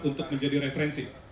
untuk menjadi referensi